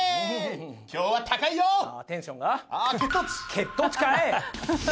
血糖値かい！